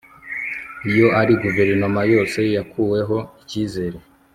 Iyo ari Guverinoma yose yakuweho icyizere